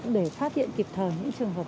để phát hiện kịp thời những trường hợp